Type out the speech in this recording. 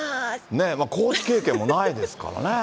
コーチ経験もないですからね。